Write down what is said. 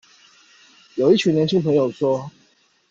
有一群年輕朋友說